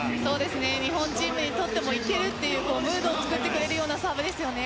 日本チームにもいけるというムードを作ってくれるサーブですね。